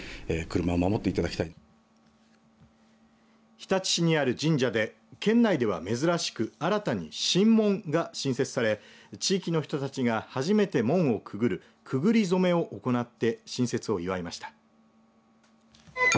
日立市にある神社で県内では珍しく新たに神門が新設され地域の人たちが初めて門をくぐるくぐり初めを行って新設を祝いました。